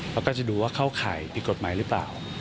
แล้วก็จะดูว่าเข้าข่ายผิดกฎหมายหรือเปล่า